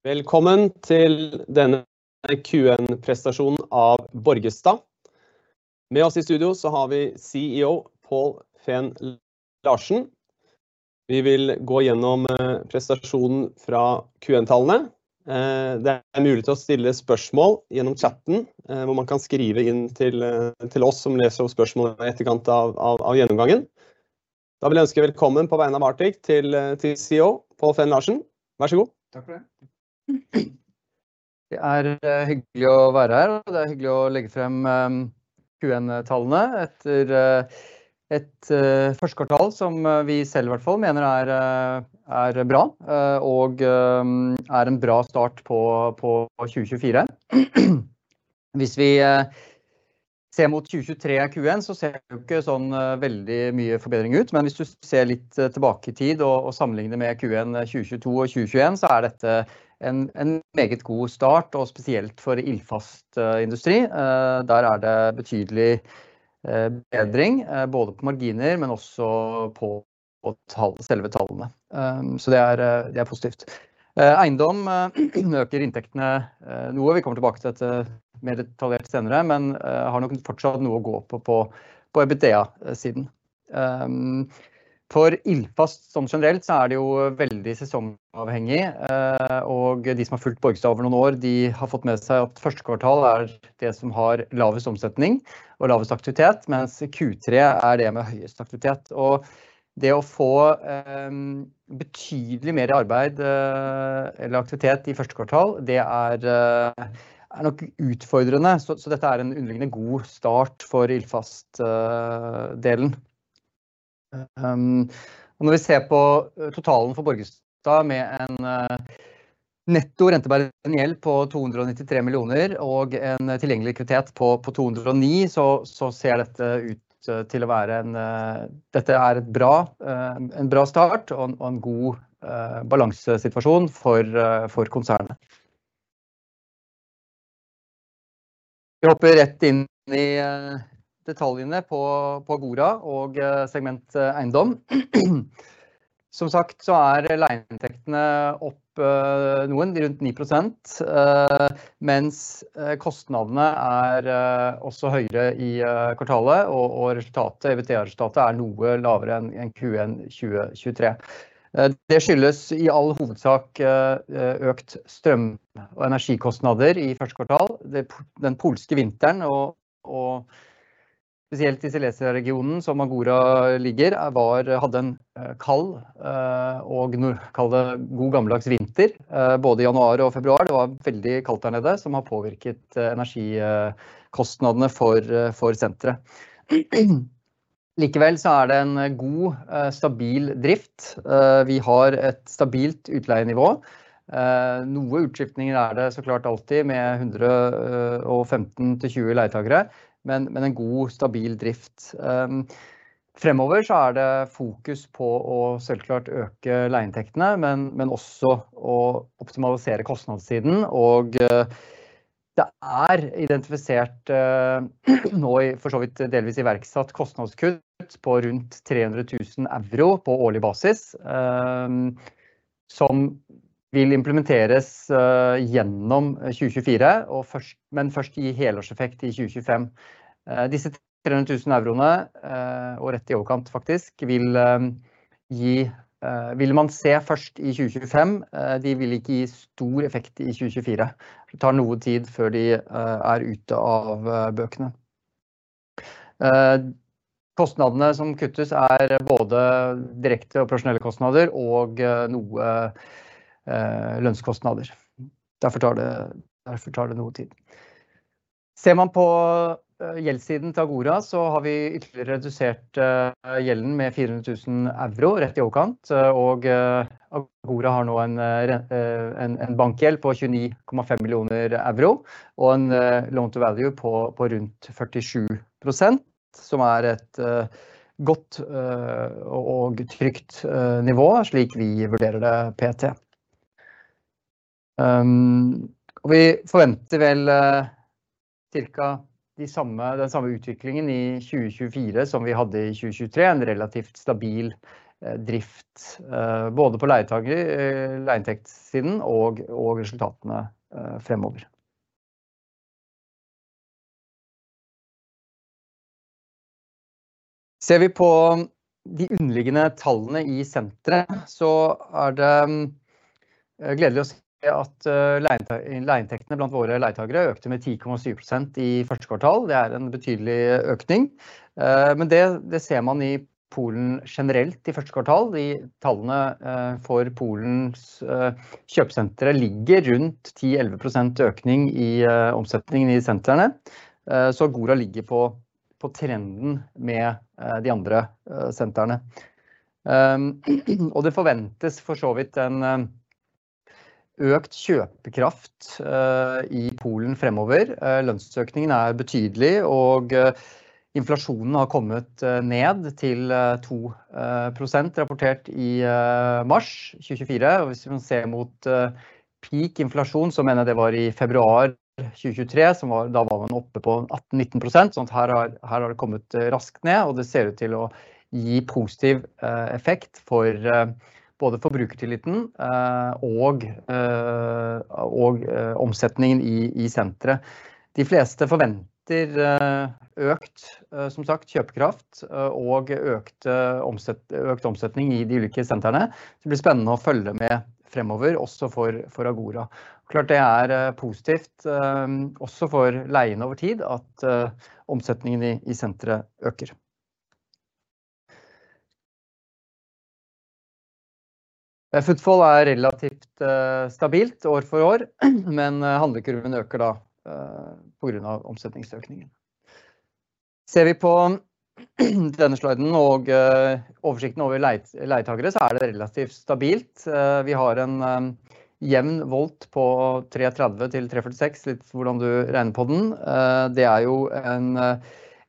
Velkommen til denne Q1-presentasjonen av Borgestad! Med oss i studio så har vi CEO Pål Fenn-Larsen. Vi vil gå gjennom presentasjonen fra Q1-tallene. Det er mulighet til å stille spørsmål gjennom chatten, hvor man kan skrive inn til oss som leser spørsmålene i etterkant av gjennomgangen. Da vil jeg ønske velkommen på vegne av Arctic til CEO Pål Fenn-Larsen. Vær så snill! Takk for det. Det er hyggelig å være her, og det er hyggelig å legge frem Q1-tallene etter et første kvartal som vi selv i hvert fall mener er bra og er en bra start på 2024. Hvis vi ser mot 2023 Q1, så ser det jo ikke sånn veldig mye forbedring ut. Men hvis du ser litt tilbake i tid og sammenligner med Q1 2022 og 2021, så er dette en meget god start og spesielt for ildfast industri. Der er det betydelig bedring både på marginer, men også på tall, selve tallene. Så det er positivt. Eiendom øker inntektene noe. Vi kommer tilbake til dette mer detaljert senere, men har nok fortsatt noe å gå på på EBITDA-siden. For ildfast som generelt så er det jo veldig sesongavhengig, og de som har fulgt Borgestad over noen år. De har fått med seg at første kvartal er det som har lavest omsetning og lavest aktivitet, mens Q3 er det med høyest aktivitet og det å få betydelig mer i arbeid eller aktivitet i første kvartal. Det er nok utfordrende. Så dette er en underliggende god start for ildfast delen. Når vi ser på totalen for Borgestad med en netto rentebærende gjeld på NOK 293 millioner og en tilgjengelig likviditet på NOK 209 millioner, så ser dette ut til å være en bra start og en god balansesituasjon for konsernet. Vi hopper rett inn i detaljene på Agora og segment eiendom. Som sagt så er leieinntektene opp noen rundt 9%, mens kostnadene er også høyere i kvartalet og resultatet, EBITDA-resultatet er noe lavere enn Q1 2023. Det skyldes i all hovedsak økt strøm- og energikostnader i første kvartal. Den polske vinteren og spesielt i Silesia-regionen som Agora ligger var, hadde en kald og kall det god gammeldags vinter både i januar og februar. Det var veldig kaldt der nede, som har påvirket energikostnadene for senteret. Likevel så er det en god, stabil drift. Vi har et stabilt utleienivå. Noe utskiftninger er det så klart alltid med 115 til 20 leietakere. Men en god stabil drift. Fremover så er det fokus på å selvklart øke leieinntektene, men også å optimalisere kostnadssiden. Og det er identifisert, nå i forsåvidt delvis iverksatt kostnadskutt på rundt 300.000 euro på årlig basis som vil implementeres gjennom 2024 og først, men først gi helårseffekt i 2025. Disse 300.000 euroene og rett i overkant faktisk vil gi, ville man se først i 2025. De vil ikke gi stor effekt i 2024. Det tar noe tid før de er ute av bøkene. Kostnadene som kuttes er både direkte operasjonelle kostnader og noe lønnskostnader. Derfor tar det noe tid. Ser man på gjeldssiden til Agora, så har vi ytterligere redusert gjelden med 400.000 euro rett i overkant. Agora har nå en bankgjeld på 29,5 millioner euro og en loan to value på rundt 47%, som er et godt og trygt nivå, slik vi vurderer det per i dag. Vi forventer vel cirka den samme utviklingen i 2024 som vi hadde i 2023. En relativt stabil drift både på leietaker, leieinntektssiden og resultatene fremover. Ser vi på de underliggende tallene i senteret så er det gledelig å se at leieinntektene blant våre leietakere økte med 10,7% i første kvartal. Det er en betydelig økning, men det ser man i Polen generelt i første kvartal. De tallene for Polens kjøpesentre ligger rundt 10-11% økning i omsetningen i sentrene. Så Agora ligger på trenden med de andre sentrene. Og det forventes for så vidt en økt kjøpekraft i Polen fremover. Lønnsøkningen er betydelig, og inflasjonen har kommet ned til 2% rapportert i mars 2024. Hvis man ser mot peak inflasjon, så mener jeg det var i februar 2023, som var da man var oppe på 18-19%. Så her har det kommet raskt ned, og det ser ut til å gi positiv effekt for både forbrukertilliten og omsetningen i senteret. De fleste forventer økt kjøpekraft og økt omsetning i de ulike sentrene. Det blir spennende å følge med fremover også for Agora. Klart det er positivt, også for leiene over tid at omsetningen i senteret øker. Footfall er relativt stabilt år for år, men handlekurven øker da på grunn av omsetningsøkningen. Ser vi på denne sliden og oversikten over leietakere så er det relativt stabilt. Vi har en jevn volt på 30 til 46%. Litt hvordan du regner på den. Det er jo en,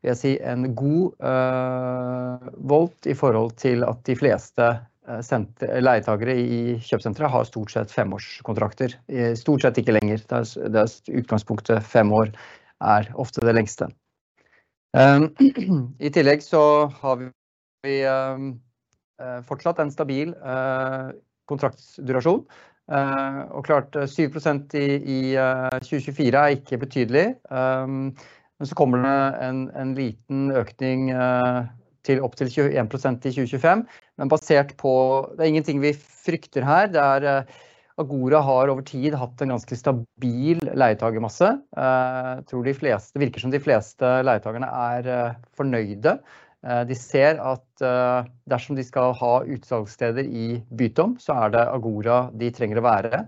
vil jeg si, en god volt i forhold til at de fleste sentre, leietakere i kjøpesenteret har stort sett fem års kontrakter. Stort sett ikke lenger. Det er i utgangspunktet fem år er ofte det lengste. I tillegg så har vi fortsatt en stabil kontraktsdurasjon. Og klart 7% i 2024 er ikke betydelig, men så kommer det en liten økning til opptil 21% i 2025. Men basert på det er ingenting vi frykter her. Det er, Agora har over tid hatt en ganske stabil leietakermasse. Tror de fleste virker som de fleste leietakerne er fornøyde. De ser at dersom de skal ha utsalgssteder i Bytom, så er det Agora de trenger å være.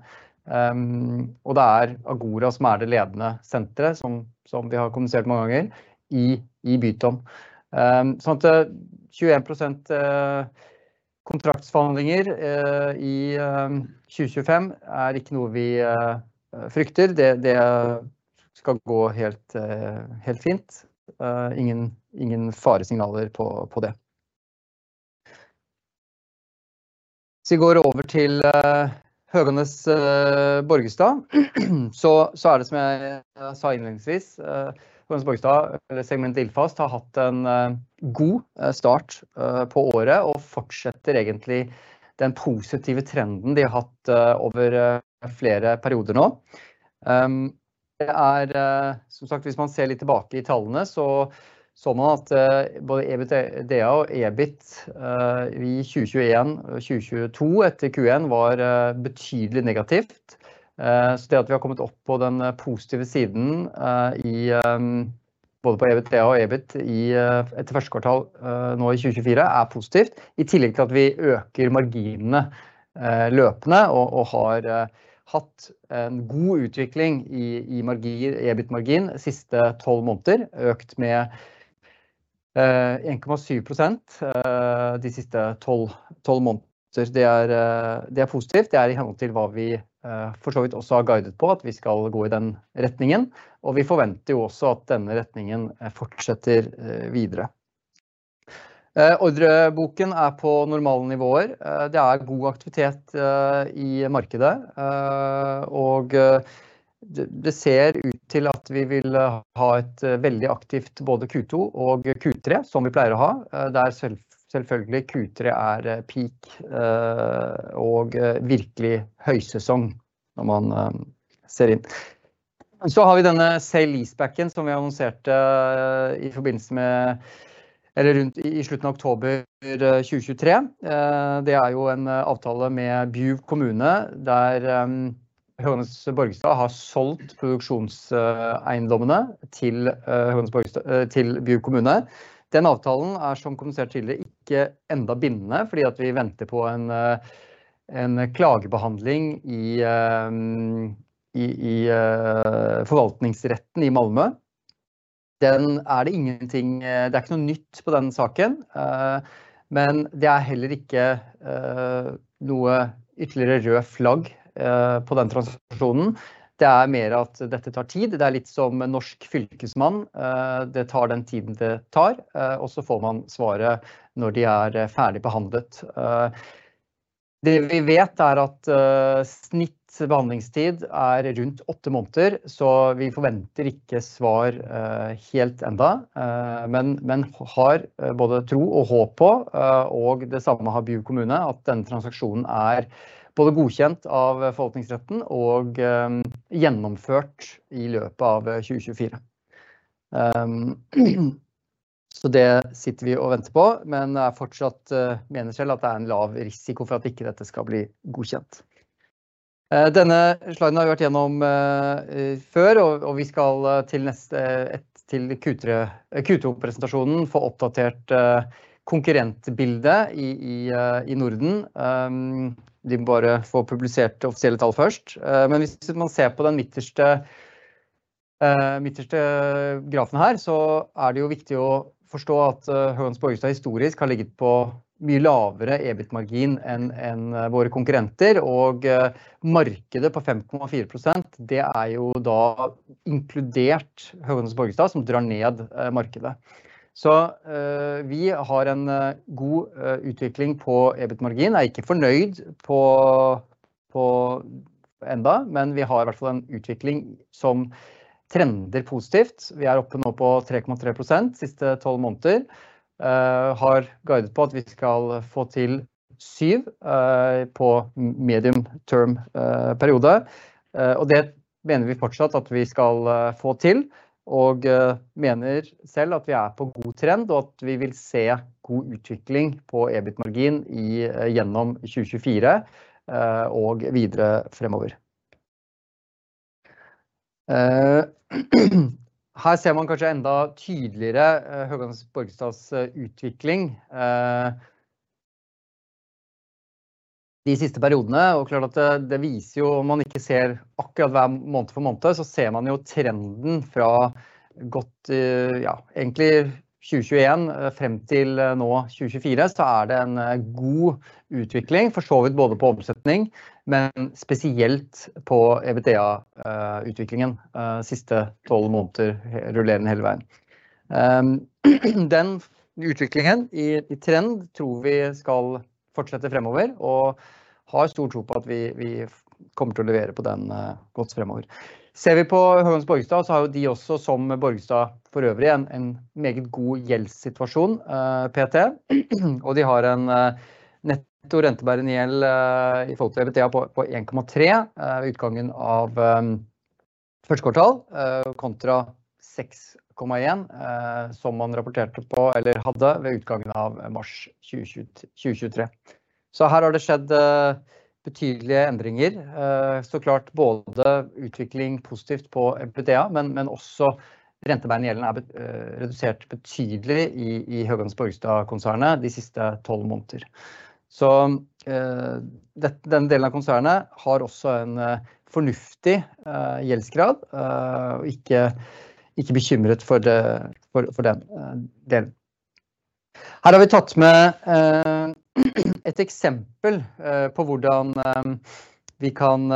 Og det er Agora som er det ledende senteret. Sånn som vi har kommunisert mange ganger i Bytom. Sånn at 21% kontraktsforhandlinger i 2025 er ikke noe vi frykter. Det skal gå helt fint. Ingen faresignaler på det. Hvis vi går over til Høgenes Borgestad, så er det som jeg sa innledningsvis. Høgenes Borgestad eller segment Ilfast har hatt en god start på året og fortsetter egentlig den positive trenden de har hatt over flere perioder nå. Det er som sagt hvis man ser litt tilbake i tallene, så så man at både EBITDA og EBIT i 2021 og 2022 etter Q1 var betydelig negativt. Så det at vi har kommet opp på den positive siden i både EBITDA og EBIT i et første kvartal nå i 2024 er positivt. I tillegg til at vi øker marginene løpende og har hatt en god utvikling i marginer, EBIT-marginen siste tolv måneder økt med 1,7% de siste tolv måneder. Det er positivt. Det er i henhold til hva vi for så vidt også har guidet på at vi skal gå i den retningen. Vi forventer jo også at denne retningen fortsetter videre. Ordreboken er på normale nivåer. Det er god aktivitet i markedet, og det ser ut til at vi vil ha et veldig aktivt både Q2 og Q3, som vi pleier å ha. Det er selvfølgelig Q3 er peak og virkelig høysesong når man ser inn. Så har vi denne sale lease back-en som vi annonserte i forbindelse med eller rundt slutten av oktober 2023. Det er jo en avtale med Buv kommune, der Høgenes Borgestad har solgt produksjonseiendommene til Høgenes Borg, til Buv kommune. Den avtalen er som kommunisert tidligere, ikke enda bindende, fordi vi venter på en klagebehandling i forvaltningsretten i Malmø. Det er ingenting, det er ikke noe nytt på den saken. Men det er heller ikke noe ytterligere røde flagg på den transaksjonen. Det er mer at dette tar tid. Det er litt som norsk fylkesmann. Det tar den tiden det tar, og så får man svaret når de er ferdig behandlet. Det vi vet er at snitt behandlingstid er rundt åtte måneder, så vi forventer ikke svar helt enda, men har både tro og håp på. Og det samme har Buv kommune, at denne transaksjonen er både godkjent av forvaltningsretten og gjennomført i løpet av 2024. Så det sitter vi og venter på. Men det er fortsatt, mener selv at det er en lav risiko for at ikke dette skal bli godkjent. Denne sliden har vi vært gjennom før, og vi skal til neste, til Q4 presentasjonen få oppdatert konkurrentbildet i Norden. De bare får publisert offisielle tall først, men hvis man ser på den midterste grafen her så er det jo viktig å forstå at Høegh Gjesdal historisk har ligget på mye lavere EBIT margin enn våre konkurrenter. Og markedet på 5,4%. Det er jo da inkludert Høegh Gjesdal som drar ned markedet. Så vi har en god utvikling på EBIT marginen. Er ikke fornøyd på, på ennå, men vi har i hvert fall en utvikling som trender positivt. Vi er oppe nå på 3,3% siste tolv måneder. Har guidet på at vi skal få til 7% på medium term periode, og det mener vi fortsatt at vi skal få til, og mener selv at vi er på god trend og at vi vil se god utvikling på EBIT marginen i gjennom 2024, og videre fremover. Her ser man kanskje enda tydeligere Høegh Gjesdals utvikling de siste periodene. Klart at det viser jo om man ikke ser akkurat hver måned for måned, så ser man jo trenden fra godt, ja, egentlig 2021 frem til nå 2024, så er det en god utvikling. For så vidt både på omsetning, men spesielt på EBITDA utviklingen siste tolv måneder rullerende hele veien. Den utviklingen i trend tror vi skal fortsette fremover, og har stor tro på at vi kommer til å levere på den godt fremover. Ser vi på Høegh Borgestad, så har jo de også som Borgestad forøvrig en meget god gjeldssituasjon pt. Og de har en netto rentebærende gjeld i forhold til EBITDA på 1,3 ved utgangen av første kvartal, kontra 6,1 som man rapporterte på eller hadde ved utgangen av mars 2023. Så her har det skjedd betydelige endringer. Så klart både utvikling positivt på EBITDA, men også rentebærende gjeld er redusert betydelig i Høegh Gjesdal-konsernet de siste tolv måneder. Så denne delen av konsernet har også en fornuftig gjeldsgrad. Og ikke bekymret for den delen. Her har vi tatt med et eksempel på hvordan vi kan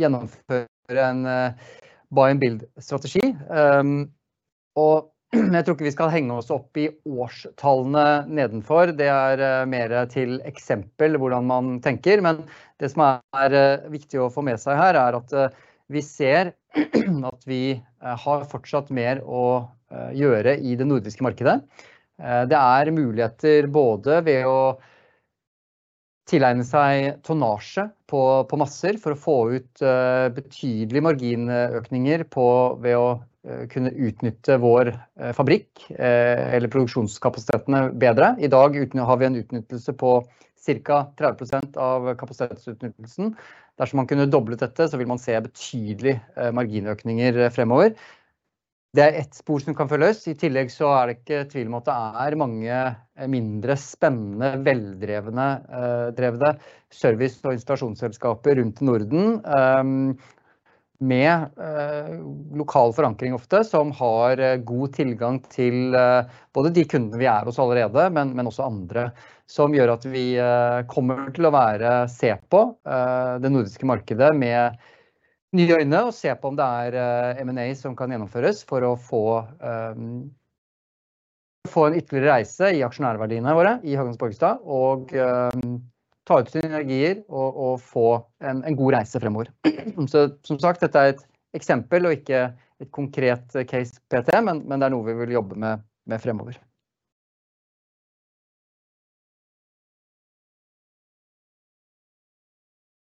gjennomføre en buy and build strategi, og jeg tror ikke vi skal henge oss opp i årstallene nedenfor. Det er mer til eksempel hvordan man tenker, men det som er viktig å få med seg her er at vi ser at vi har fortsatt mer å gjøre i det nordiske markedet. Det er muligheter både ved å tilegne seg tonnasje på masser for å få ut betydelig marginøkninger ved å kunne utnytte vår fabrikk eller produksjonskapasiteten bedre. I dag har vi en utnyttelse på cirka 30% av kapasitetsutnyttelsen. Dersom man kunne doblet dette, så vil man se betydelig marginøkninger fremover. Det er ett spor som kan følges. I tillegg så er det ikke tvil om at det er mange mindre spennende, veldrevne service- og installasjonsselskaper rundt om i Norden. Med lokal forankring ofte, som har god tilgang til både de kundene vi er hos allerede, men også andre som gjør at vi kommer til å være, se på det nordiske markedet med nye øyne og se på om det er M&A som kan gjennomføres. For å få en ytterligere reise i aksjonærverdiene våre i Høegh Borgestad og ta ut synergier og få en god reise fremover. Så som sagt, dette er et eksempel og ikke et konkret case pt. Men det er noe vi vil jobbe med fremover.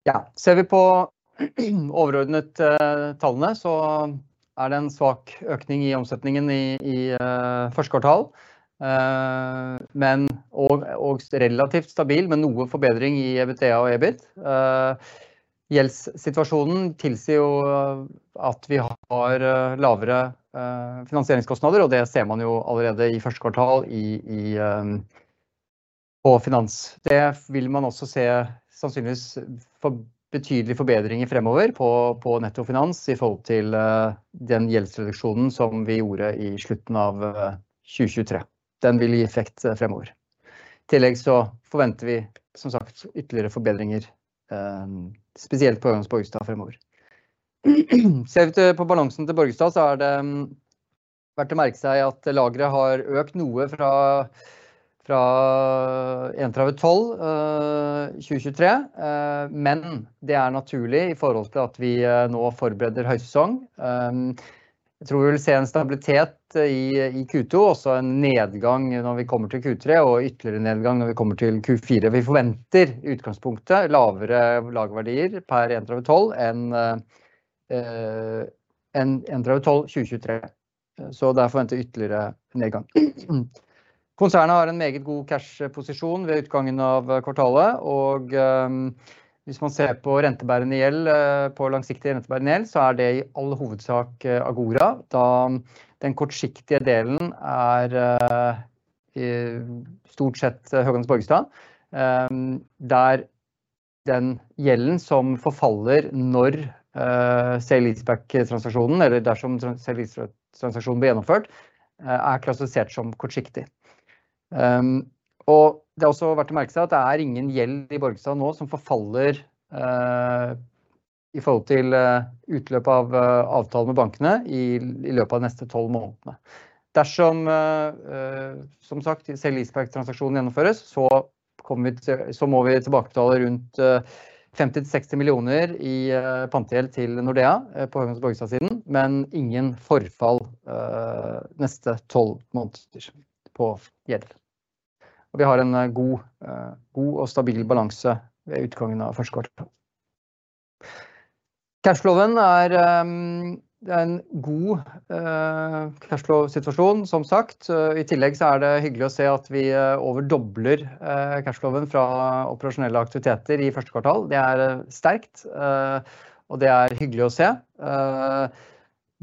Ja, ser vi på overordnet tallene så er det en svak økning i omsetningen i første kvartal, men og relativt stabil, men noe forbedring i EBITDA og EBIT. Gjeldssituasjonen tilsier jo at vi har lavere finansieringskostnader, og det ser man jo allerede i første kvartal på finans. Det vil man også se sannsynligvis få betydelig forbedring i fremover på netto finans i forhold til den gjeldsreduksjonen som vi gjorde i slutten av 2023. Den vil gi effekt fremover. I tillegg så forventer vi som sagt ytterligere forbedringer, spesielt på Borgestad fremover. Ser vi på balansen til Borgestad, så er det verdt å merke seg at lageret har økt noe fra 31.12.2023. Men det er naturlig i forhold til at vi nå forbereder høysesong. Jeg tror vi vil se en stabilitet i Q2 og så en nedgang når vi kommer til Q3 og ytterligere nedgang når vi kommer til Q4. Vi forventer i utgangspunktet lavere lagerverdier per 31.12 enn 31.12.2023, så der forventes ytterligere nedgang. Konsernet har en meget god cash-posisjon ved utgangen av kvartalet, og hvis man ser på rentebærende gjeld på langsiktig rentebærende gjeld, så er det i all hovedsak Agora, da den kortsiktige delen er i stort sett Høegh Borgestad. Den gjelden som forfaller når sell lease back-transaksjonen eller dersom sell lease-transaksjonen blir gjennomført, er klassifisert som kortsiktig. Og det er også verdt å merke seg at det er ingen gjeld i Borgestad nå som forfaller i forhold til utløp av avtalen med bankene i løpet av de neste tolv månedene. Dersom, som sagt, sell lease back-transaksjonen gjennomføres, så kommer vi til, så må vi tilbakebetale rundt NOK 50-60 millioner i pantegjeld til Nordea på Hølands Borgestad siden. Men ingen forfall neste tolv måneder på gjeld. Og vi har en god og stabil balanse ved utgangen av første kvartal. Cashflowen er en god cashflow situasjon, som sagt. I tillegg så er det hyggelig å se at vi overdobler cashflowen fra operasjonelle aktiviteter i første kvartal. Det er sterkt, og det er hyggelig å se.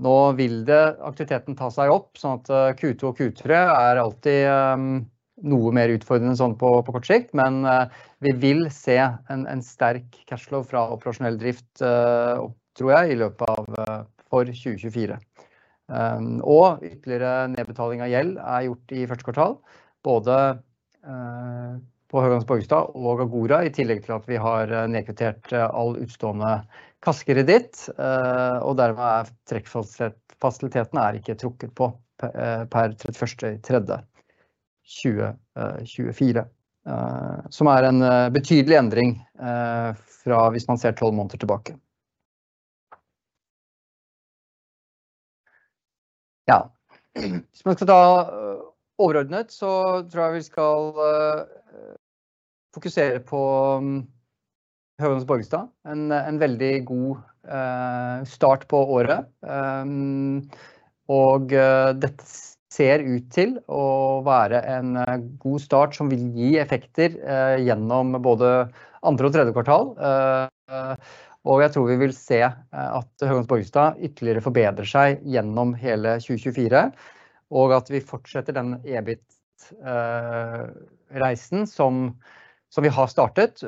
Nå vil det aktiviteten ta seg opp sånn at Q2 og Q3 er alltid noe mer utfordrende sånn på kort sikt. Men vi vil se en sterk cashflow fra operasjonell drift, tror jeg, i løpet av 2024. Og ytterligere nedbetaling av gjeld er gjort i første kvartal. Både på Hølands Borgestad og Agora. I tillegg til at vi har nedkvittert all utestående kaskokreditt, og dermed er trekkfasiliteten er ikke trukket på per 31. mars 2024. Som er en betydelig endring fra hvis man ser tolv måneder tilbake. Ja, hvis man skal da overordnet så tror jeg vi skal fokusere på Hølands Borgestad. En veldig god start på året, og dette ser ut til å være en god start som vil gi effekter gjennom både andre og tredje kvartal. Jeg tror vi vil se at Hølands Borgestad ytterligere forbedrer seg gjennom hele 2024, og at vi fortsetter den EBIT-reisen som vi har startet.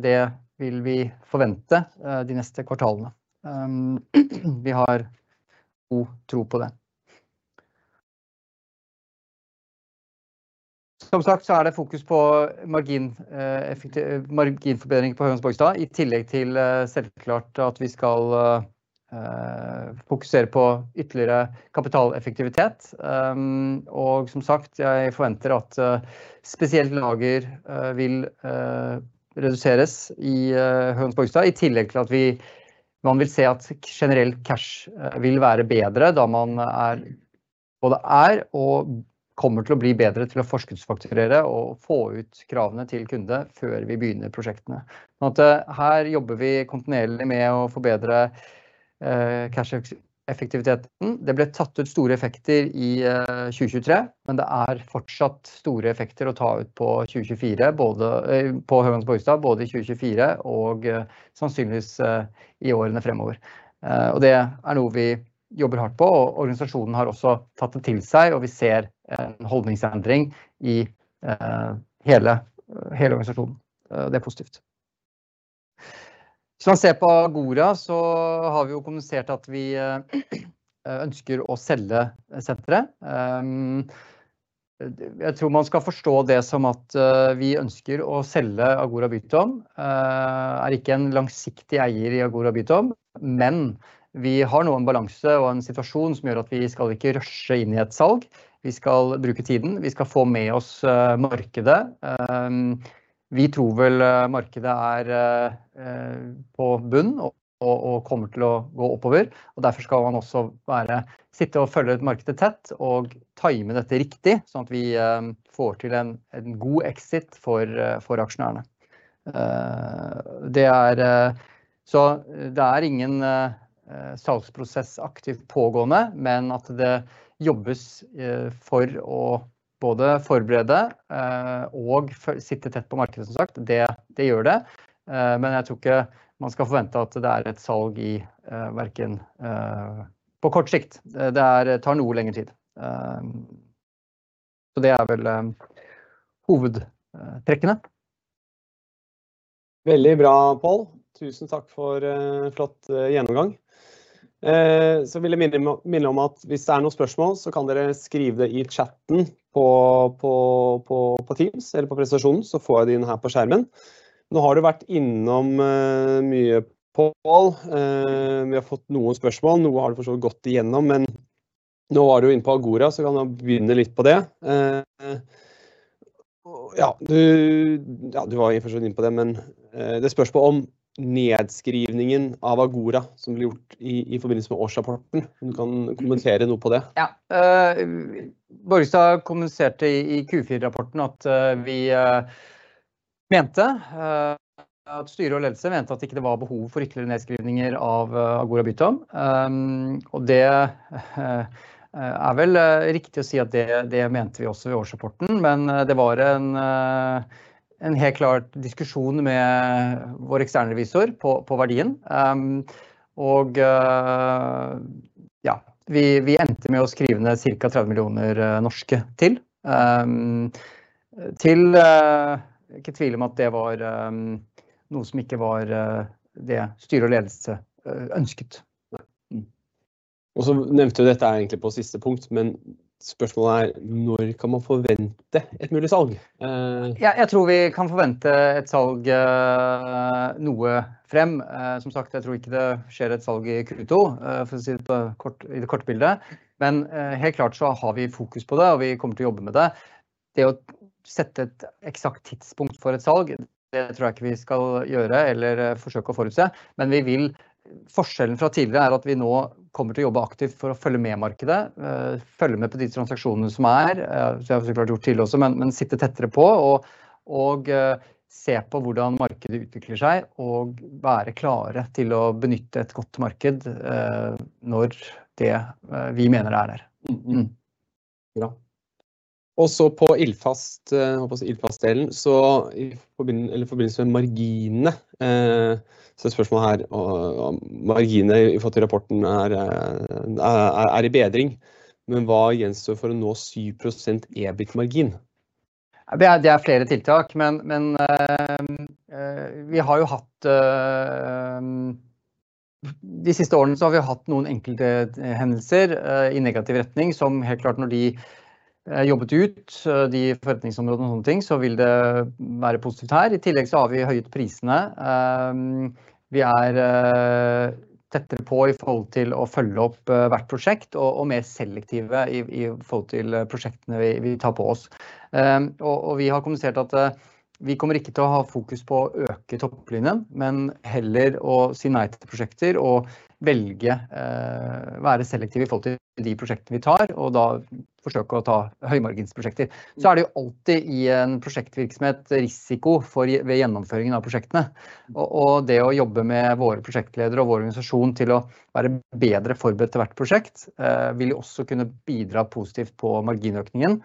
Det vil vi forvente de neste kvartalene. Vi har god tro på det. Som sagt så er det fokus på margin, effektiv marginforbedring på Hølands Borgestad, i tillegg til selvfølgelig at vi skal fokusere på ytterligere kapitaleffektivitet. Og som sagt, jeg forventer at spesielt lager vil reduseres i Hølands Borgestad, i tillegg til at vi vil se at generell cash vil være bedre da man både er og kommer til å bli bedre til å forskuddsfakturere og få ut kravene til kunde før vi begynner prosjektene. Sånn at her jobber vi kontinuerlig med å forbedre cash effektiviteten. Det ble tatt ut store effekter i 2023, men det er fortsatt store effekter å ta ut på 2024. Både på Hølands Borgestad, både i 2024 og sannsynligvis i årene fremover. Og det er noe vi jobber hardt på, og organisasjonen har også tatt det til seg. Vi ser en holdningsendring i hele organisasjonen. Det er positivt. Hvis man ser på Agora, så har vi jo kommunisert at vi ønsker å selge senteret. Jeg tror man skal forstå det som at vi ønsker å selge Agora Bytom. Vi er ikke en langsiktig eier i Agora Bytom, men vi har nå en balanse og en situasjon som gjør at vi skal ikke rushe inn i et salg. Vi skal bruke tiden, vi skal få med oss markedet. Vi tror vel markedet er på bunn og kommer til å gå oppover. Derfor skal man også være, sitte og følge markedet tett og time dette riktig, sånn at vi får til en god exit for aksjonærene. Det er ingen salgsprosess aktivt pågående, men det jobbes for å både forberede og sitte tett på markedet som sagt. Men jeg tror ikke man skal forvente at det er et salg på kort sikt. Det tar noe lengre tid. Så det er vel hovedtrekkene. Veldig bra, Paal! Tusen takk for flott gjennomgang. Så vil jeg minne om at hvis det er noen spørsmål så kan dere skrive det i chatten på Teams eller på presentasjonen, så får jeg de inn her på skjermen. Nå har du vært innom mye, Paal. Vi har fått noen spørsmål. Noe har du forsåvidt gått igjennom, men nå var du inne på Agora, så kan du begynne litt på det. Ja, du var i og for seg inn på det, men det spørs på om nedskrivningen av Agora som ble gjort i forbindelse med årsrapporten. Om du kan kommentere noe på det? Ja, Borgestad kommuniserte i Q4-rapporten at vi mente at styre og ledelse mente at ikke det var behov for ytterligere nedskrivninger av Agora Bytom. Og det er vel riktig å si at det mente vi også ved årsrapporten. Men det var en helt klar diskusjon med vår eksterne revisor på verdien. Ja, vi endte med å skrive ned cirka 30 millioner NOK til. Til, ikke tvil om at det var noe som ikke var det styre og ledelse ønsket. Nei. Og så nevnte du dette er egentlig på siste punkt, men spørsmålet er når kan man forvente et mulig salg? Ja, jeg tror vi kan forvente et salg noe frem. Som sagt, jeg tror ikke det skjer et salg i Q2. For å si det kort i det korte bildet. Men helt klart så har vi fokus på det, og vi kommer til å jobbe med det. Det å sette et eksakt tidspunkt for et salg, det tror jeg ikke vi skal gjøre eller forsøke å forutse. Men vi vil, forskjellen fra tidligere er at vi nå kommer til å jobbe aktivt for å følge med markedet. Følge med på de transaksjonene som er. Det har vi klart gjort tidligere også, men sitte tettere på og se på hvordan markedet utvikler seg og være klare til å benytte et godt marked når det vi mener er der. Og så på ildfast, holdt jeg på å si ildfast delen. Så i forbindelse med marginene, så er spørsmålet her og marginer i forhold til rapporten er i bedring. Men hva gjenstår for å nå 7% EBIT margin? Det er flere tiltak. Men vi har jo hatt de siste årene så har vi hatt noen enkelthendelser i negativ retning, som helt klart når de er jobbet ut de forretningsområdene og sånne ting, så vil det være positivt her. I tillegg så har vi høyet prisene. Vi er tettere på i forhold til å følge opp hvert prosjekt og mer selektive i forhold til prosjektene vi tar på oss. Og vi har kommunisert at vi kommer ikke til å ha fokus på å øke topplinjen, men heller å si nei til prosjekter og velge, være selektiv i forhold til de prosjektene vi tar, og da forsøke å ta høymarginsprosjekter. Så er det jo alltid i en prosjektvirksomhet risiko for ved gjennomføringen av prosjektene, og det å jobbe med våre prosjektledere og vår organisasjon til å være bedre forberedt til hvert prosjekt, vil jo også kunne bidra positivt på marginøkningen.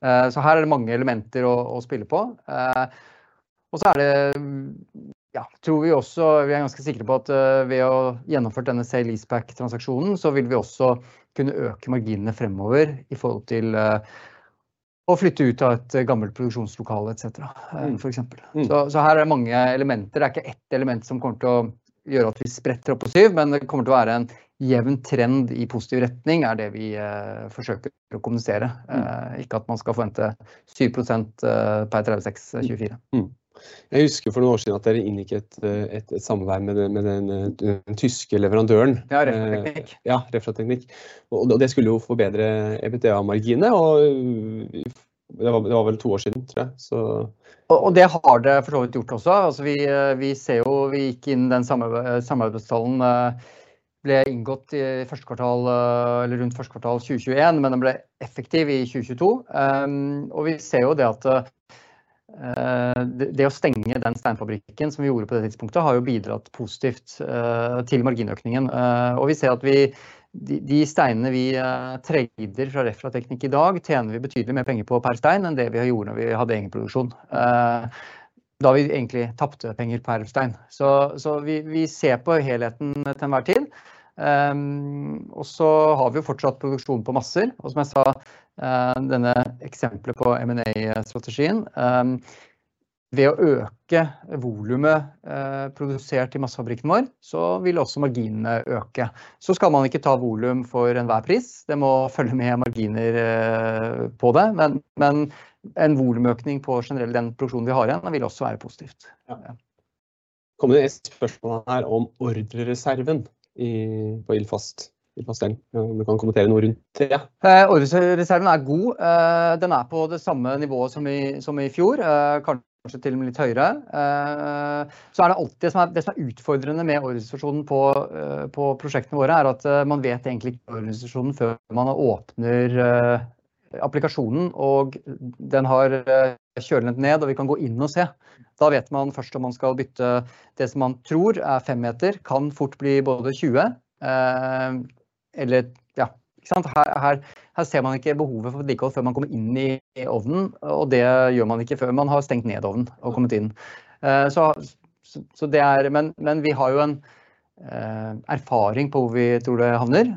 Så her er det mange elementer å spille på. Og så er det, ja, tror vi også, vi er ganske sikre på at ved å gjennomført denne sell lease back transaksjonen så vil vi også kunne øke marginene fremover i forhold til å flytte ut av et gammelt produksjonslokale et cetera, for eksempel. Så her er det mange elementer. Det er ikke ett element som kommer til å gjøre at vi spretter opp på 7%, men det kommer til å være en jevn trend i positiv retning. Er det vi forsøker å kommunisere. Ikke at man skal forvente 7% per tredje kvartal 2024. Mm. Jeg husker for noen år siden at dere inngikk et samarbeid med den tyske leverandøren. Ja, RefraTeknikk. Ja, RefraTeknikk. Og det skulle jo forbedre EBITDA-marginene. Og det var vel to år siden tror jeg, så. Og det har det for så vidt gjort også. Altså, vi ser jo, vi gikk inn i den samme samarbeidsavtalen ble inngått i første kvartal eller rundt første kvartal 2021. Men den ble effektiv i 2022. Og vi ser jo det at det å stenge den steinfabrikken som vi gjorde på det tidspunktet har jo bidratt positivt til marginøkningen. Og vi ser at vi, de steinene vi trader fra RefraTeknikk i dag, tjener vi betydelig mer penger på per stein enn det vi gjorde når vi hadde egenproduksjon, da vi egentlig tapte penger per stein. Så vi ser på helheten til enhver tid. Og så har vi jo fortsatt produksjon på masser. Og som jeg sa, denne eksempelet på M&A strategien. Ved å øke volumet produsert i massefabrikken vår, så vil også marginene øke. Så skal man ikke ta volum for enhver pris. Det må følge med marginer på det. Men en volumøkning på generelt den produksjonen vi har igjen vil også være positivt. Ja. Kommer det neste spørsmålet her om ordrereserven på ildfast, ildfast delen. Om du kan kommentere noe rundt det? Ordreserven er god. Den er på det samme nivået som i fjor. Kanskje til og med litt høyere. Så er det alltid det som er utfordrende med ordreservasjonen på prosjektene våre, er at man vet egentlig ikke organisasjonen før man åpner applikasjonen og den har kjølt ned, og vi kan gå inn og se. Da vet man først om man skal bytte, det som man tror er fem meter kan fort bli både tjue. Eller ja, ikke sant? Her ser man ikke behovet for vedlikehold før man kommer inn i ovnen, og det gjør man ikke før man har stengt ned ovnen og kommet inn. Så det er... men vi har jo en erfaring på hvor vi tror det havner,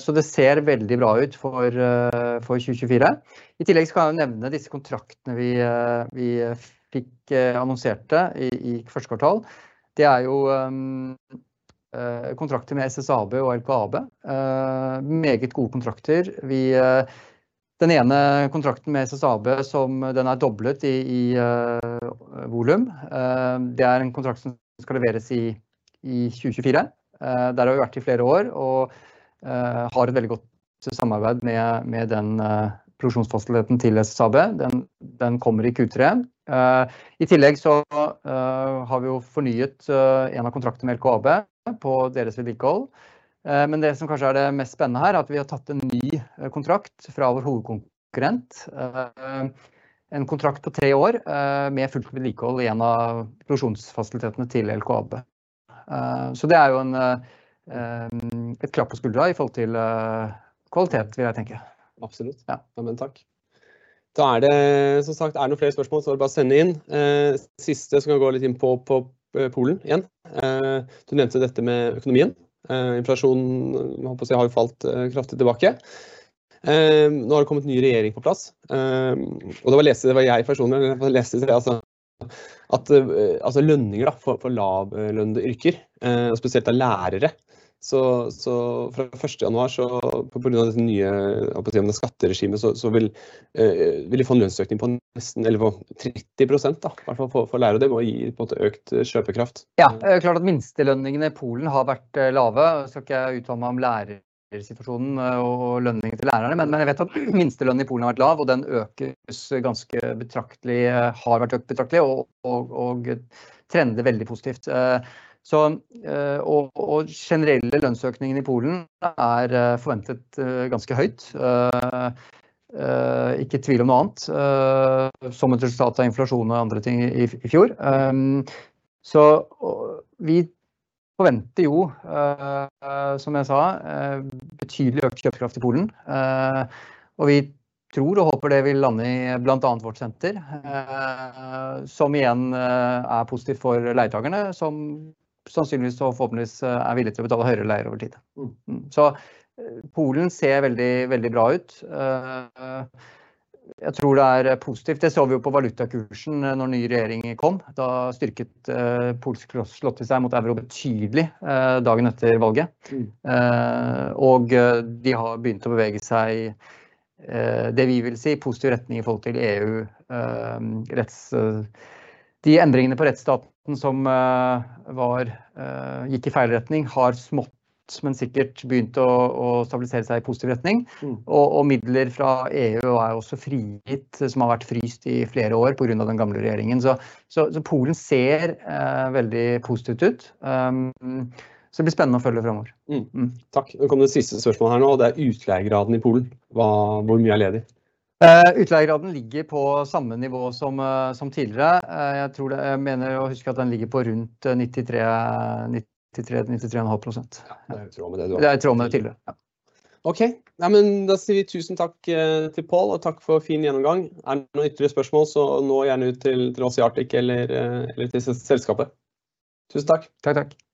så det ser veldig bra ut for 2024. I tillegg skal jeg nevne disse kontraktene vi fikk annonserte i første kvartal. Det er jo kontrakten med SSAB og LKAB. Meget gode kontrakter. Den ene kontrakten med SSAB er doblet i volum. Det er en kontrakt som skal leveres i 2024. Der har vi vært i flere år og har et veldig godt samarbeid med produksjonsfasiliteten til SSAB. Den kommer i Q3. I tillegg så har vi jo fornyet en av kontraktene med LKAB på deres vedlikehold. Men det som kanskje er det mest spennende her, er at vi har tatt en ny kontrakt fra vår hovedkonkurrent. En kontrakt på tre år med fullt vedlikehold i en av produksjonsfasilitetene til LKAB. Så det er jo et klapp på skulderen i forhold til kvalitet vil jeg tenke. Absolutt! Ja. Nei, men takk. Da er det. Som sagt er det noen flere spørsmål, så er det bare å sende inn. Siste skal gå litt inn på Polen igjen. Du nevnte dette med økonomien. Inflasjonen holdt på å si har jo falt kraftig tilbake. Nå har det kommet ny regjering på plass, og det var lest. Det var jeg personlig, og da leste jeg at lønninger for lavtlønnede yrker og spesielt av lærere. Fra første januar, på grunn av dette nye skatteregimet, vil de få en lønnsøkning på nesten 30% i hvert fall for lærere. Det må gi økt kjøpekraft. Ja, det er klart at minstelønningene i Polen har vært lave. Skal ikke uttale meg om lærersituasjonen og lønningen til lærerne, men jeg vet at minstelønn i Polen har vært lav, og den økes ganske betraktelig. Har vært økt betraktelig og trender veldig positivt. Generelle lønnsøkningen i Polen er forventet ganske høyt. Ikke tvil om noe annet som et resultat av inflasjon og andre ting i fjor. Vi forventer jo, som jeg sa, betydelig økt kjøpekraft i Polen, og vi tror og håper det vil lande i blant annet vårt senter, som igjen er positivt for leietagerne, som sannsynligvis og forhåpentligvis er villig til å betale høyere leie over tid. Polen ser veldig, veldig bra ut. Jeg tror det er positivt. Det så vi jo på valutakursen når ny regjering kom. Da styrket polske zloty seg mot euro betydelig dagen etter valget, og de har begynt å bevege seg det vi vil si i positiv retning i forhold til EU-rett. De endringene på rettsstaten som gikk i feil retning, har smått men sikkert begynt å stabilisere seg i positiv retning. Midler fra EU er også frigitt, som har vært fryst i flere år på grunn av den gamle regjeringen. Polen ser veldig positivt ut, så det blir spennende å følge fremover. Takk! Nå kom det siste spørsmålet her nå, og det er utleiegraden i Polen. Hva? Hvor mye er ledig? Utleiegraden ligger på samme nivå som tidligere. Jeg tror det. Jeg mener å huske at den ligger på rundt 93,5%. Det er i tråd med det. Det er i tråd med det tidligere. Ja, okay, nei men da sier vi tusen takk til Pål, og takk for fin gjennomgang. Er det noen ytterligere spørsmål så nå gjerne ut til oss i Arctic eller til selskapet. Tusen takk! Takk, takk.